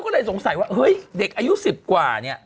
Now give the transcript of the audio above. ก็เลยสงสัยว่าเฮ้ยเด็กอายุ๑๐กว่าเนี่ย